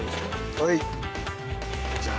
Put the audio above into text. はい。